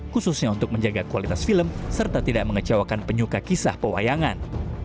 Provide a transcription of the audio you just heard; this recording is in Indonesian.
khususnya untuk menjaga kualitas film serta tidak mengecewakan penyuka kisah pewayangan